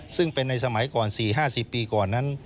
ซึ่งเป็นในสมัยก่อน๔๕๐ปีก่อนนั้น